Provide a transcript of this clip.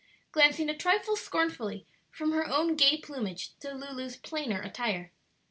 glancing a trifle scornfully from her own gay plumage to Lulu's plainer attire.